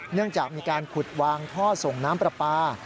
เนื่องจากมีการขุดวางท่อส่งน้ำปลาปลา